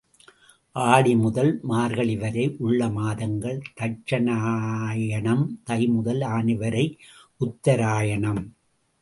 ஆடி முதல் மார்கழி வரை உள்ள மாதங்கள் தட்சிணாயனம், தைமுதல் ஆனி வரை உத்தராயனம்.